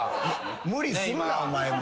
無理するなお前も。